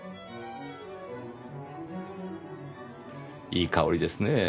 いい香りですねぇ。